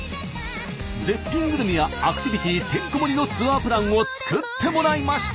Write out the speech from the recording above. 絶品グルメやアクティビティーてんこ盛りのツアープランを作ってもらいました。